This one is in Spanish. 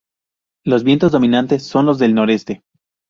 Los vientos dominantes son los del noroeste.